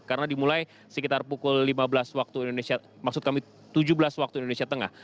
karena dimulai sekitar pukul tujuh belas waktu indonesia tengah